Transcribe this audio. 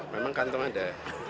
memang kantong ada